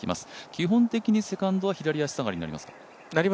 基本的にセカンドは左足下がりになりますか？